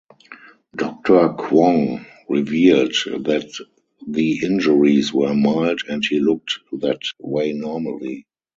Doctor Quong revealed that the injuries were mild and he looked that way normally.